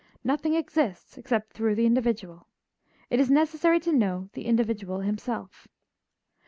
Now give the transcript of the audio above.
Nothing exists except through the individual; it is necessary to know the individual himself.